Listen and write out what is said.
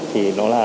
thì nó là